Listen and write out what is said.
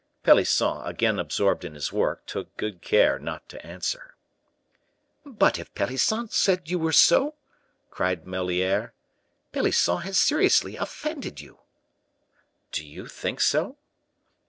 Pelisson, again absorbed in his work, took good care not to answer. "But if Pelisson said you were so," cried Moliere, "Pelisson has seriously offended you." "Do you think so?"